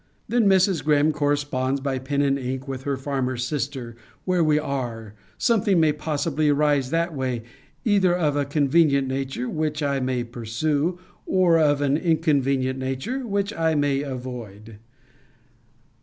Then Mrs. Greme corresponds by pen and ink with her farmer sister where we are: something may possibly arise that way, either of a convenient nature, which I may pursue; or of an inconvenient nature, which I may avoid.